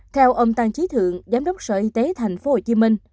theo ông tăng trí thượng giám đốc sở y tế tp hcm